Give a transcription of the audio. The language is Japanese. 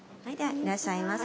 いらっしゃいませ。